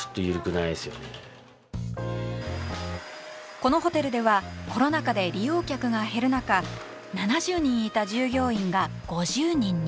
このホテルではコロナ禍で利用客が減る中７０人いた従業員が５０人に。